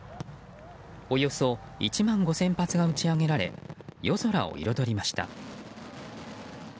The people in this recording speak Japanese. およそ１万５０００発が打ち上げられ夜空を彩りました。